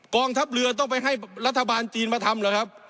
กองทัพเรือต้องไปให้รัฐบาลจีนมาทำเหรอครับ